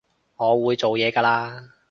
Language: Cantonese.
我會做嘢㗎喇